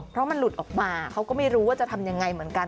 เพราะมันหลุดออกมาเขาก็ไม่รู้ว่าจะทำยังไงเหมือนกัน